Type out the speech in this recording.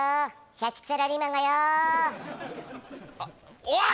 社畜サラリーマンがよあっおい